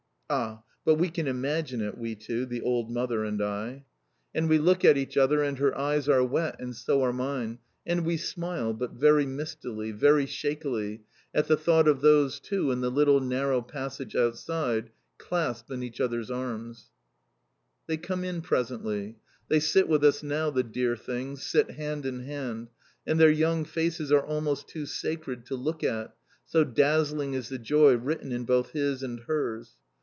Ah, but we can imagine it, we two, the old mother and I! And we look at each other, and her eyes are wet, and so are mine, and we smile, but very mistily, very shakily, at the thought of those two in the little narrow passage outside, clasped in each others' arms. They come in presently. They sit with us now, the dear things, sit hand in hand, and their young faces are almost too sacred to look at, so dazzling is the joy written in both his and hers.